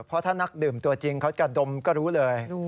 เพราะถ้านักดื่มตัวจริงเขาจะดมก็รู้เลย